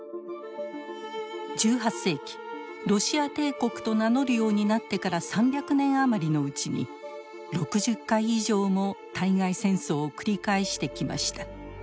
１８世紀ロシア帝国と名乗るようになってから３００年余りのうちに６０回以上も対外戦争を繰り返してきました。